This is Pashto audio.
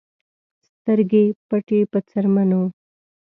سترګې پټې په څرمنو